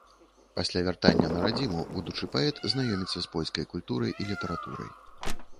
Пасля вяртання на радзіму будучы паэт знаёміцца з польскай культурай і літаратурай.